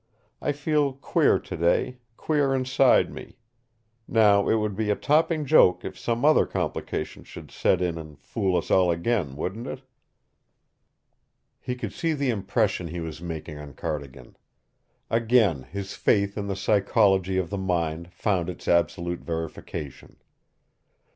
I feel queer today, queer inside me. Now it would be a topping joke if some other complication should set in and fool us all again, wouldn't it?" He could see the impression he was making on Cardigan. Again his faith in the psychology of the mind found its absolute verification.